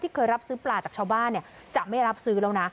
เคยรับซื้อปลาจากชาวบ้านจะไม่รับซื้อแล้วนะ